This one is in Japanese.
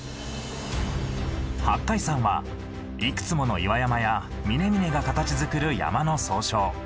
八海山はいくつもの岩山や峰々が形づくる山の総称。